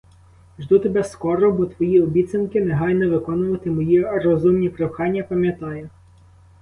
Жду тебе скоро, бо твої обіцянки — негайно виконувати мої розумні прохання — пам'ятаю.